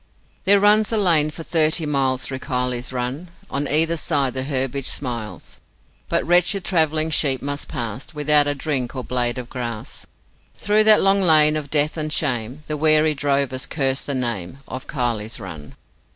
There runs a lane for thirty miles Through Kiley's Run. On either side the herbage smiles, But wretched trav'lling sheep must pass Without a drink or blade of grass Thro' that long lane of death and shame: The weary drovers curse the name Of Kiley's Run.